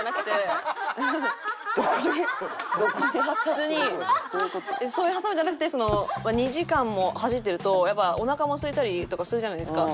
普通にそういう「はさむ」じゃなくて２時間も走ってるとやっぱおなかもすいたりとかするじゃないですか。